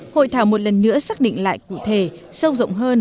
hội thảo một lần nữa xác định lại cụ thể sâu rộng hơn